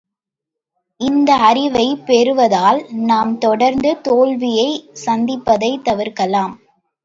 இந்த அறிவைப் பெறுவதால் நாம் தொடர்ந்து தோல்வியைச் சந்திப்பதைத் தவிர்க்கலாம்.